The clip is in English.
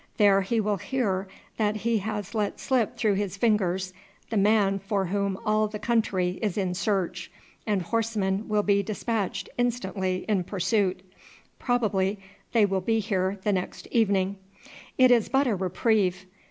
There he will hear that he has let slip through his fingers the man for whom all the country is in search, and horsemen will be despatched instantly in pursuit; probably they will be here the next evening; it is but a reprieve.